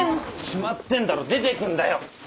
決まってんだろ出て行くんだよ。